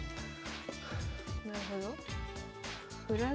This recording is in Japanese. なるほど。